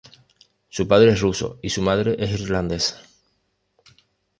Su padre es ruso y su madre es irlandesa.